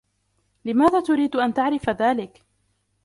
لماذا تريد أن تعرف ذلك؟